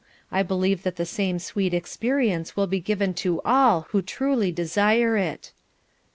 I believe that the same sweet experience will be given to all who truly desire it."